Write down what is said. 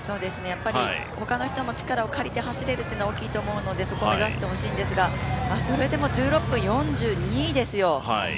他の人の力を借りて走れるというのは大きいと思うのでそこを目指してほしいんですがそれでも１６分４２ですよ。